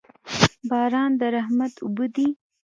باران د رحمت اوبه دي.